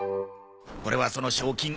これはその賞金。